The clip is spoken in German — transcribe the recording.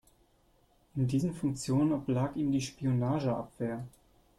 In diesen Funktionen oblag ihm die Spionageabwehr.